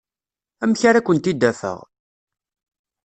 Amek ara kent-id-afeɣ?